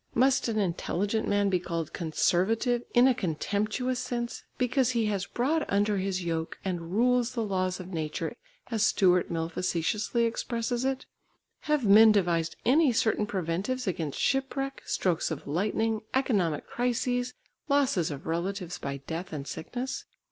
Must an intelligent man be called "conservative" in a contemptuous sense because he has brought under his yoke and rules the laws of nature as Stuart Mill facetiously expresses it? Have men devised any certain preventives against shipwreck, strokes of lightning, economic crises, losses of relatives by death and sickness?